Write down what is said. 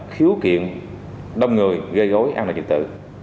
khiếu kiện đông người gây gối an ninh dịch tự